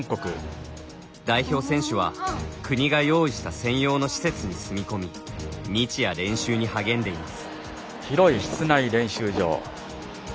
代表選手は国が用意した専用の施設に住み込み日夜、練習に励んでいます。